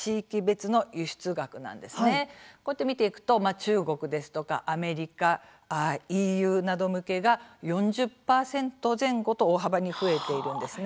こうやって見ていくと中国ですとかアメリカＥＵなど向けが４０％前後と大幅に増えているんです。